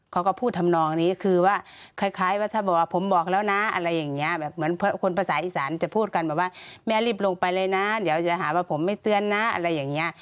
เขาก็พูดทำนองนี้คือว่าคล้ายว่าถ้าบอกว่าผมบอกแล้วนะอะไรอย่างนี้แบบเหมือนคนภาษาอีสานจะพูดกันแบบว่าแม่รีบลงไปเลยนะเดี๋ยวจะหาว่าผมไม่เตือนนะอะไรอย่างนี้